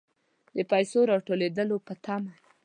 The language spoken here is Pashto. د پیسو راتوېدلو په طمع.